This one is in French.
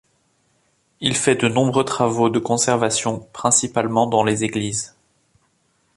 Il fait de nombreux travaux de conservation, principalement dans les églises.